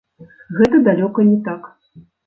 Гэта далёка не так.